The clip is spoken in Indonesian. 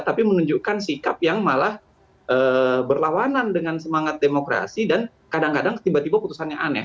tapi menunjukkan sikap yang malah berlawanan dengan semangat demokrasi dan kadang kadang tiba tiba putusannya aneh